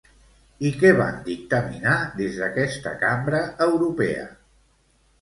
I què van dictaminar des d'aquesta cambra europea?